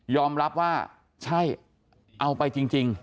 รับว่าใช่เอาไปจริง